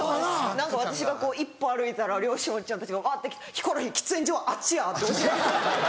何か私が１歩歩いたら漁師のおっちゃんたちがわって来て「ヒコロヒー喫煙所はあっちや」って教えてくれたり。